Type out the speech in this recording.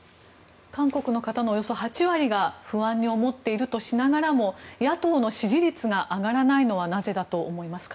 韓国の方のおよそ８割が不安に思っているとしながらも野党の支持率が上がらないのはなぜだと思いますか。